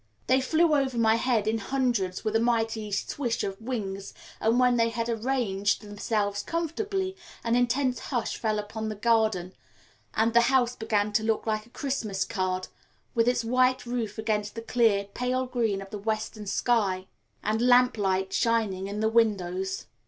They flew over my head in hundreds with a mighty swish of wings, and when they had arranged themselves comfortably, an intense hush fell upon the garden, and the house began to look like a Christmas card, with its white roof against the clear, pale green of the western sky, and lamplight shining in the windows.